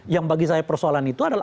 yang bagi saya persoalan itu adalah